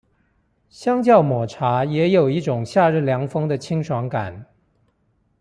相較抹茶也有一種夏日涼風的清爽感